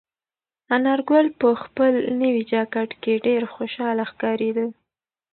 انارګل په خپل نوي جاکټ کې ډېر خوشحاله ښکارېده.